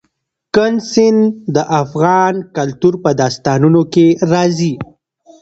کندز سیند د افغان کلتور په داستانونو کې راځي.